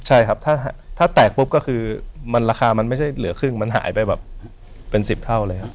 ใช่ครับถ้าแตกปุ๊บก็คือมันราคามันไม่ใช่เหลือครึ่งมันหายไปแบบเป็น๑๐เท่าเลยครับ